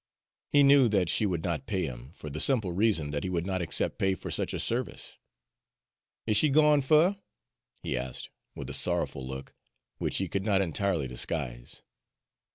He knew that she would not pay him, for the simple reason that he would not accept pay for such a service. "Is she gwine fur?" he asked, with a sorrowful look, which he could not entirely disguise.